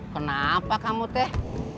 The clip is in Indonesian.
kenapa kamu teh